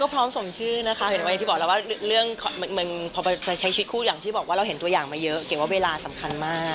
พร้อมสมชื่อนะคะเห็นว่าอย่างที่บอกแล้วว่าเรื่องพอจะใช้ชีวิตคู่อย่างที่บอกว่าเราเห็นตัวอย่างมาเยอะเก๋ว่าเวลาสำคัญมาก